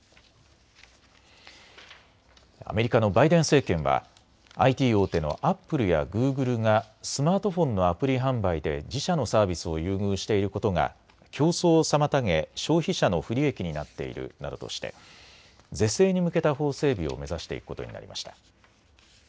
アメリカのバイデン政権はＩＴ大手のアップルやグーグルがスマートフォンのアプリ販売で自社のサービスを優遇していることが競争を妨げ消費者の不利益になっているなどとして是正に向けた法整備を目指していくことになりました。